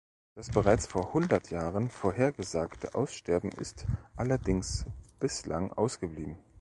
Das bereits vor hundert Jahren vorhergesagte Aussterben ist allerdings bislang ausgeblieben.